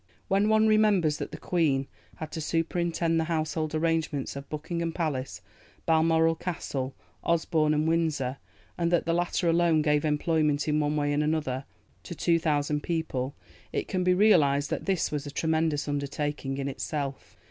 When one remembers that the Queen had to superintend the household arrangements of Buckingham Palace, Balmoral Castle, Osborne, and Windsor, and that the latter alone gave employment, in one way and another, to two thousand people, it can be realized that this was a tremendous undertaking in itself.